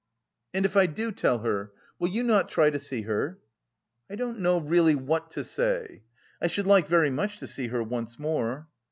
"And if I do tell her, will you not try to see her?" "I don't know really what to say. I should like very much to see her once more."